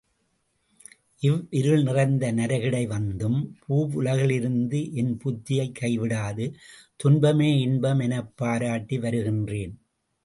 இவ்விருள் நிறைந்த நரகிடை வந்தும் பூவுலகிலிருந்த என் புத்தியைக் கைவிடாது, துன்பமே இன்பம் எனப்பாராட்டி வருகின்றேன்.